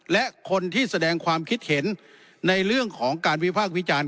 และคนที่แสดงความคิดเห็นในเรื่องของการวิพากษ์วิจารณ์